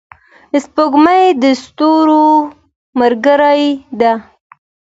سپوږمۍ د ستورو ملګرې ده.